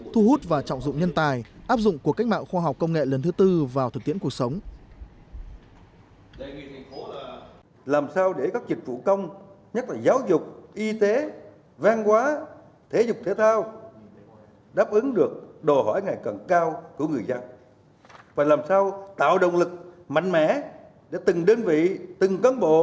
thu hút và trọng dụng nhân tài áp dụng của cách mạng khoa học công nghệ lần thứ tư vào thực tiễn cuộc sống